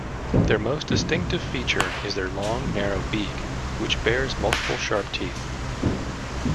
Their most distinctive feature is their long, narrow beak, which bears multiple sharp teeth.